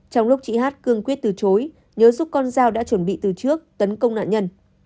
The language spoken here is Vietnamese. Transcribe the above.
trong lúc chị hát cương quyết từ chối nhớ giúp con dao đã chuẩn bị từ trước tấn công nạn nhân